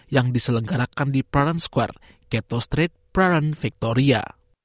yang diselenggarakan di prahran square keto street prahran victoria